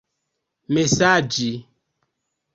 mesaĝi